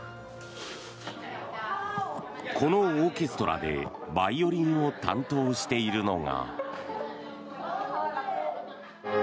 このオーケストラでバイオリンを担当しているのが。